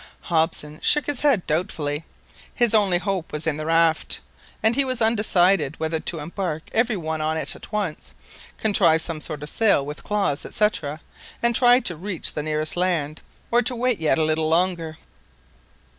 Hobson shook his head doubtfully. His only hope was in the raft, and he was undecided whether to embark every one on it at once, contrive some sort of a sail with clothes, &c., and try to reach the nearest land, or to wait yet a little longer.